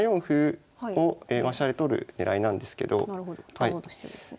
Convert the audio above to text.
取ろうとしてるんですね。